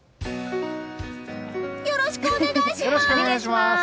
よろしくお願いします。